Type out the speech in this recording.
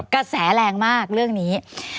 กระแสแรงมากเรื่องนี้